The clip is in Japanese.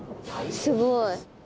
すごい。